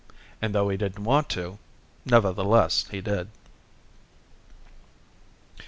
and though he didn't want to ... nevertheless he did....